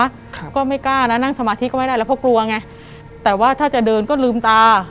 ครับก็ไม่กล้านะนั่งสมาธิก็ไม่ได้แล้วเพราะกลัวไงแต่ว่าถ้าจะเดินก็ลืมตา